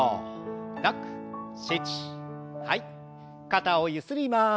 肩をゆすります。